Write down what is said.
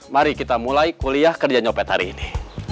mari kita mulai kuliah kerja nyopet hari ini